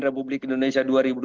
republik indonesia dua ribu dua puluh